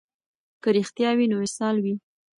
که رښتیا وي نو وصال وي.